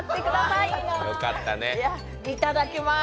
いや、いただきます。